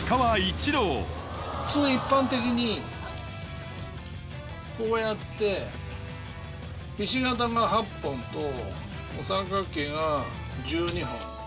一般的にこうやってひし形が８本と三角形が１２本。